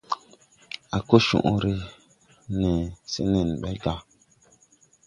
A ko cõõre nee se nen ɓe gà.